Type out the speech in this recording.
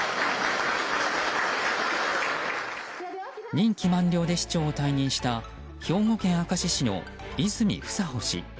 任期満了で市長を退任した兵庫県明石市の泉房穂氏。